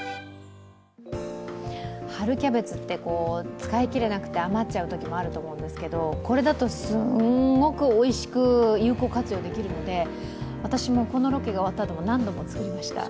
春キャベツって、使い切れなくて余っちゃうときもあると思うんですけどこれだとすんごくおいしく有効活用できるので私もこのロケが終わったあとも何度も作りました。